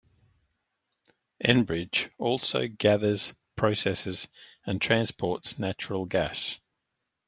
Enbridge also gathers, processes, and transports natural gas.